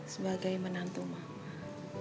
sebagai menantu mama